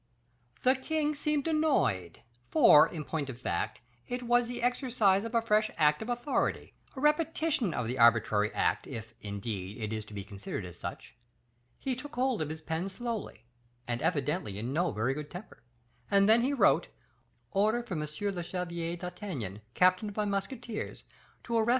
"The king seemed annoyed; for, in point of fact, it was the exercise of a fresh act of authority, a repetition of the arbitrary act, if, indeed, it is to be considered as such. He took hold of his pen slowly, and evidently in no very good temper; and then he wrote, 'Order for M. le Chevalier d'Artagnan, captain of my musketeers, to arrest M.